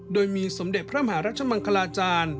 โดยมีสมเด็จพระมหารัชมังคลาจารย์